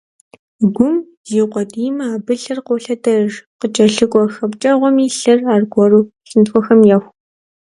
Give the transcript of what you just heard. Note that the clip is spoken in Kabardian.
Гум зиукъуэдиймэ, абы лъыр къолъэдэж, къыкӀэлъыкӀуэ хэпкӀэгъуэми лъыр аргуэру лъынтхуэхэм еху.